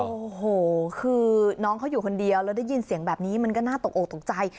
โอ้โหคือน้องเขาอยู่คนเดียวแล้วได้ยินเสียงแบบนี้มันก็น่าตกออกตกใจ